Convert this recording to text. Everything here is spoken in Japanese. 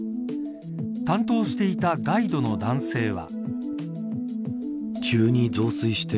担当していたガイドの男性は。